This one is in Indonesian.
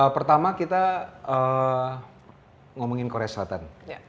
pertama kita ngomongin korea selatan